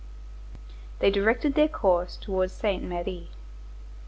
46 They directed their course towards Saint Merry.